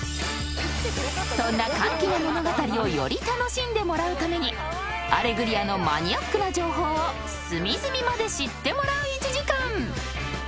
［そんな歓喜の物語をより楽しんでもらうために『アレグリア』のマニアックな情報を隅々まで知ってもらう１時間］